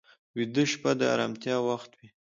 ویده شپه د ارامتیا وخت وي